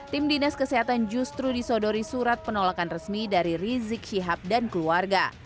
tim dinas kesehatan justru disodori surat penolakan resmi dari rizik syihab dan keluarga